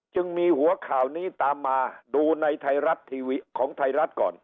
จึงมีหัวข่าวนี้ตามมาดูในไทยรัฐทีวีของไทยรัฐก่อน